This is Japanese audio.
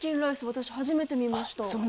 私初めて見ました。